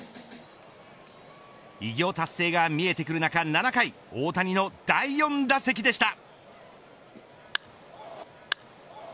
偉業達成が見えてくる中、７回大谷の第４打席でした。